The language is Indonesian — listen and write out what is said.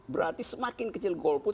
berarti semakin kecil golput